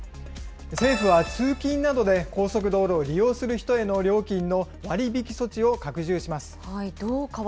政府は、通勤などで高速道路を利用する人への料金の割引措置を拡充します。